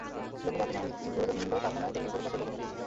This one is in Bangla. লঘু পাপে যেমন গুরুদণ্ড কাম্য নয়, তেমনি গুরু পাপেও লঘুদণ্ড নয়।